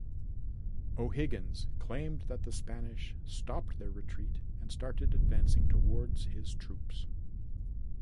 O'Higgins claimed that the Spanish stopped their retreat and started advancing towards his troops.